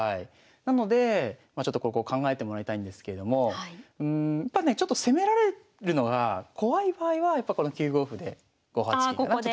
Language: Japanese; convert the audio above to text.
なのでちょっとここ考えてもらいたいんですけれどもやっぱね攻められるのが怖い場合はやっぱこの９五歩で５八金。